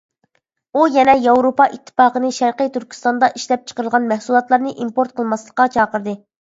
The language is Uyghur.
ئۇ يەنە ياۋروپا ئىتتىپاقىنى شەرقى تۈركىستاندا ئىشلەپچىقىرىلغان مەھسۇلاتلارنى ئىمپورت قىلماسلىققا چاقىردى.